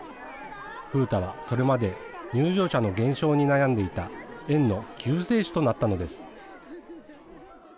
風太は、それまで入場者の減少に悩んでいた園の救世主となったのです。